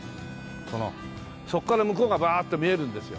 このそこから向こうがバーッと見えるんですよ。